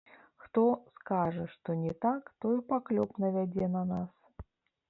Хто скажа, што не так, той паклёп навядзе на нас.